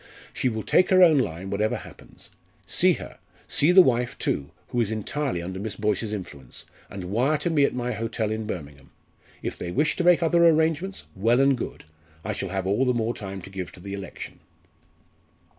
She will take her own line, whatever happens. See her see the wife, too, who is entirely under Miss Boyce's influence and wire to me at my hotel at Birmingham. If they wish to make other arrangements, well and good. I shall have all the more time to give to the election."